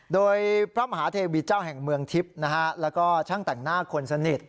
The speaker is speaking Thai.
โดยพระมหาเทวีเจ้าแห่งเมืองทิพย์นะฮะแล้วก็ช่างแต่งหน้าคนสนิท